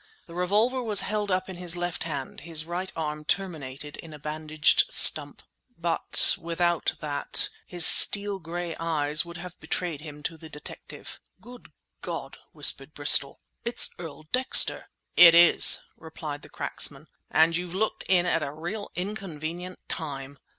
The revolver was held in his left hand; his right arm terminated in a bandaged stump. But without that his steel gray eyes would have betrayed him to the detective. "Good God!" whispered Bristol. "It's Earl Dexter!" "It is!" replied the cracksman, "and you've looked in at a real inconvenient time!